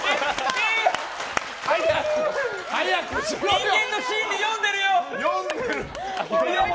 人間の心理読んでるよ！